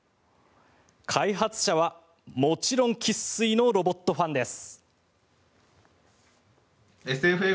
開発者は、もちろん生粋のロボットファンです。